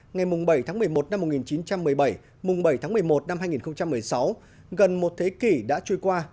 ngày bảy tháng một mươi một năm một nghìn chín trăm một mươi bảy bảy tháng một mươi một năm hai nghìn một mươi sáu gần một thế kỷ đã trôi qua